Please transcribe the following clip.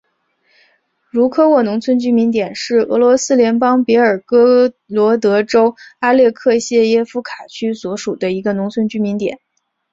茹科沃农村居民点是俄罗斯联邦别尔哥罗德州阿列克谢耶夫卡区所属的一个农村居民点。